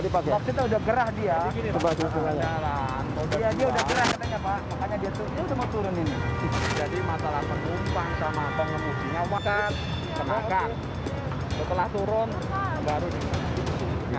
tempatnya telah turun baru disuruh